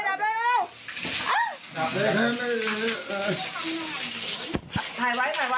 ถ่ายไว้ถ่ายไว้